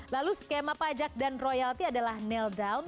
lalu skema pajak dan royalti adalah nail down